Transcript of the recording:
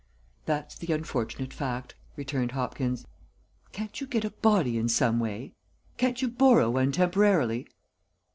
"That's the unfortunate fact," returned Hopkins. "Can't you get a body in some way? Can't you borrow one temporarily?"